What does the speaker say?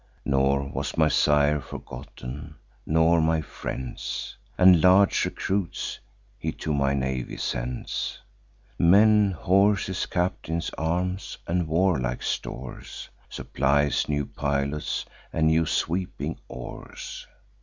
Nor was my sire forgotten, nor my friends; And large recruits he to my navy sends: Men, horses, captains, arms, and warlike stores; Supplies new pilots, and new sweeping oars.